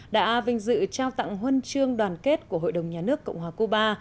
đã vinh dự trao tặng huân chương đoàn kết của hội đồng nhà nước cộng hòa cuba